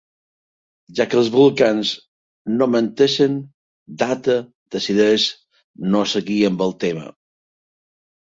Ja que els Vulcans no menteixen, Data decideix no seguir amb el tema.